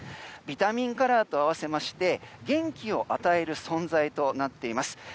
ビタミンカラーと合わせて元気を与える存在となっています。